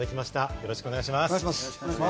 よろしくお願いします。